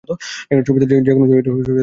ছবিতে যেকোনো চরিত্রে তিনি ছিলেন সাবলীল।